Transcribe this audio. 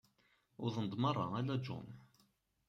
Wwḍen-d merra, ala John.